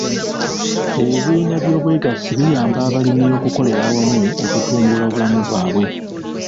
Ebibiina by'obwegassi biyamba abalimi okukolera awamu okutumbula obulamu bwabwe.